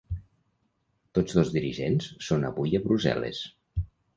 Tots dos dirigents són avui a Brussel·les.